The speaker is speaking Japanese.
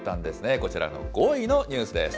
こちらの５位のニュースです。